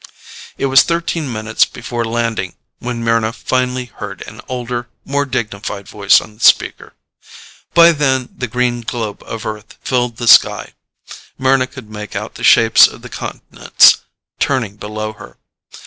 It was thirteen minutes before landing when Mryna finally heard an older, more dignified voice on the speaker. By then the green globe of Earth filled the sky; Mryna could make out the shapes of the continents turning below her.